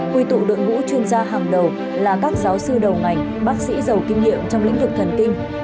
quy tụ đội ngũ chuyên gia hàng đầu là các giáo sư đầu ngành bác sĩ giàu kinh nghiệm trong lĩnh vực thần kinh